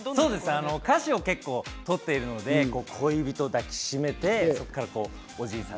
歌詞を取っているので恋人を抱き締めてそこからおじいさん